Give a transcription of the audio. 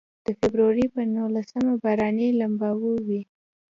د فبروري په نولسمه باراني لمباوې وې.